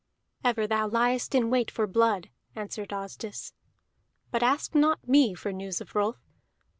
"Ever thou liest in wait for blood," answered Asdis. "But ask not me for news of Rolf.